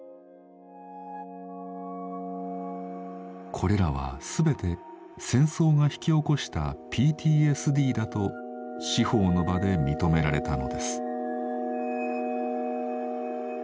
これらは全て戦争が引き起こしたＰＴＳＤだと司法の場で認められたのです。